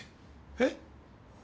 えっ？